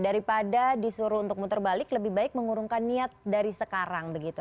daripada disuruh untuk muter balik lebih baik mengurungkan niat dari sekarang begitu